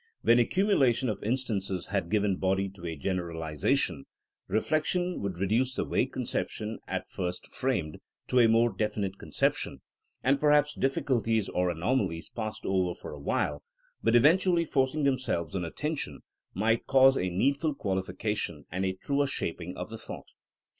When accumulation of instances had given body to a generalization, reflexion would reduce the vague conception at first framed to a more definite conception; and perhaps difficulties or anomalies passed over for a while, but even tually forcing themselves on attention, might cause a needful qualification and a truer shap ing of the thought.